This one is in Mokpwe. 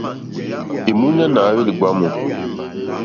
Èmúɲánà à hwélì ɡbwámù.